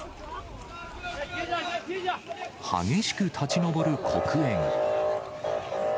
激しく立ち上る黒煙。